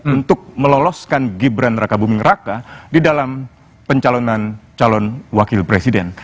untuk meloloskan gibran raka buming raka di dalam pencalonan calon wakil presiden